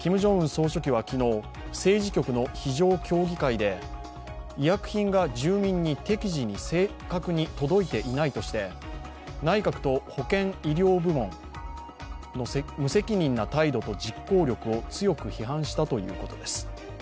総書記は昨日政治局の非常協議会で医薬品が住民に適時に正確に届いていないとして、内閣と保健医療部門の無責任な態度と実行力を強く批判したということです。